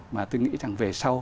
mà tôi nghĩ rằng về sau